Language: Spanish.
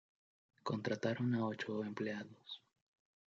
Contrataron a ocho empleados.